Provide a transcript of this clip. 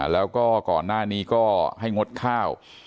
แล้วก็ก่อนหน้านี้ก็ให้งดข้าว